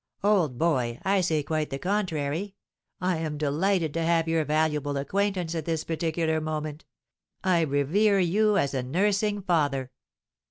"Old boy, I say quite the contrary. I am delighted to have your valuable acquaintance at this particular moment. I revere you as a nursing father."